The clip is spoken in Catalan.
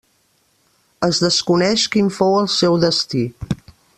Es desconeix quin fou el seu destí.